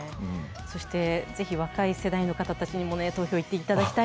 ぜひ若い世代の方たちにも投票に行っていただきたい。